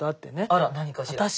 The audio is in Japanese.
あら何かしら。